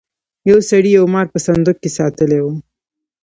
یو سړي یو مار په صندوق کې ساتلی و.